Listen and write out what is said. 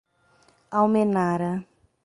Almenara